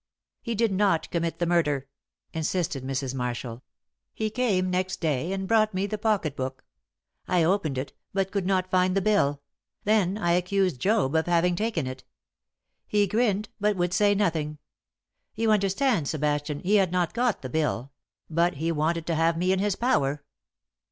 "He did not commit the murder," insisted Mrs. Marshall. "He came next day and brought me the pocket book. I opened it, but could not find the bill; then I accused Job of having taken it. He grinned, but would say nothing. You understand, Sebastian, he had not got the bill; but he wanted to have me in his power."